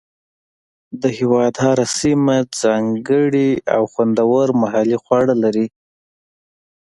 د هېواد هره سیمه ځانګړي او خوندور محلي خواړه لري.